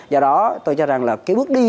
do đó tôi cho rằng là cái bước đi